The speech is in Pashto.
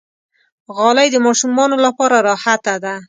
غالۍ د ماشومانو لپاره راحته ده.